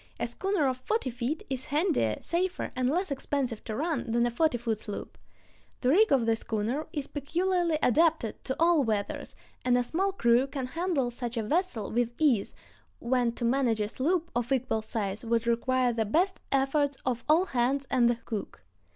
A schooner of forty feet is handier, safer, and less expensive to run than a forty foot sloop. The rig of the schooner is peculiarly adapted to all weathers, and a small crew can handle such a vessel with ease, when to manage a sloop of equal size would require the best efforts of "all hands and the cook."